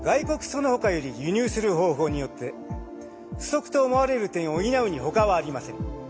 そのほかより輸入する方法によって不足と思われる点を補うにほかはありません。